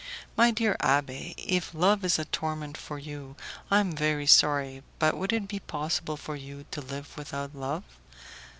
My dear abbé, if love is a torment for you I am very sorry, but would it be possible for you to live without love?